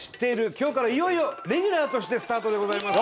今日からいよいよレギュラーとしてスタートでございます！